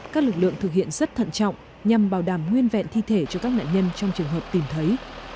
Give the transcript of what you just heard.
các lực lượng thực hiện rất thận trọng nhằm bảo đảm nguyên vẹn thi thể cho các nạn nhân trong trường hợp tìm thấy